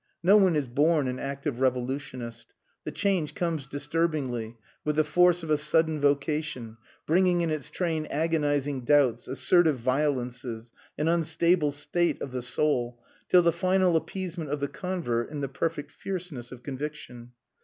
No one is born an active revolutionist. The change comes disturbingly, with the force of a sudden vocation, bringing in its train agonizing doubts, assertive violences, an unstable state of the soul, till the final appeasement of the convert in the perfect fierceness of conviction.